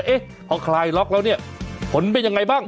เอ๊ะพอคลายล็อกแล้วเนี่ยผลเป็นยังไงบ้าง